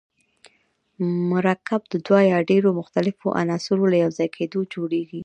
مرکب د دوه یا ډیرو مختلفو عناصرو له یوځای کیدو جوړیږي.